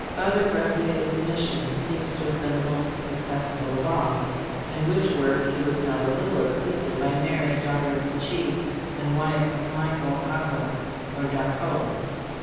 43 Father Gravier's mission seems to have been the most successful of all, in which work he was not a little assisted by Mary, daughter of the chief and wife of Michael Ako (or d'Acau.)